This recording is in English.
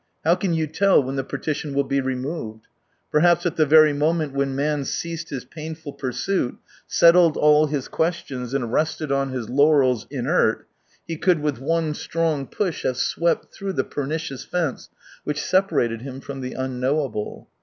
How can you tell when the partition will be removed ? Perhaps at the very moment when man ceased his painful pursuit, settled all his questions and rested on his laurels, inert, he could with one strong push have swept through the pernicious fence which separated him from the unknowable.